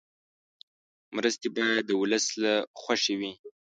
مرستې باید د ولس له خوښې وي.